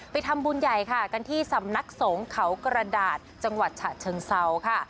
ทำบุญใหญ่ค่ะกันที่สำนักสงฆ์เขากระดาษจังหวัดฉะเชิงเซาค่ะ